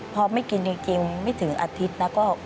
พอไม่กินจริงไม่ถึงอาทิตย์นะก็